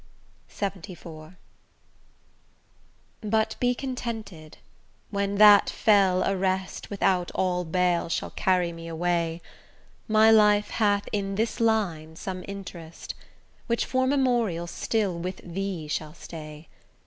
LXXIV But be contented: when that fell arrest Without all bail shall carry me away, My life hath in this line some interest, Which for memorial still with thee shall stay.